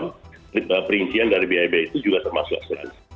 breakdown perincian dari biaya biaya itu juga termasuk asuransi